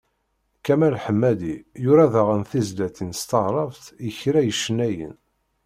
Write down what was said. Kamal Ḥemmadi yura daɣen tizlatin s taɛrabt i kra icennayen.